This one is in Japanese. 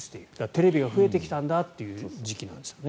テレビが増えてきたんだという時期なんですよね。